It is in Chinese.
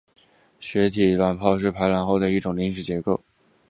血体是卵泡排卵后形成的一种临时结构。